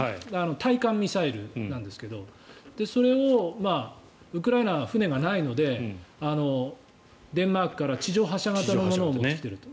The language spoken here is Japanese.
対艦ミサイルなんですけどそれをウクライナは船がないのでデンマークから地上発射型のものを持ってきていると。